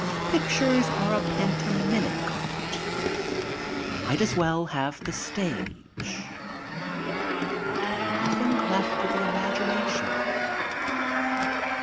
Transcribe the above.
Pictures are pantomimic art. We might as well have the stage. There would be nothing left to the imagination.